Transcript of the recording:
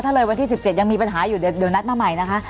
ถ้าเลยวันที่๑๗ยังมีปัญหาอยู่เดี๋ยวนัดมาใหม่นะคะ